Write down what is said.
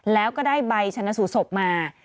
แล้วก็ได้ใบชนะสูตรศพมา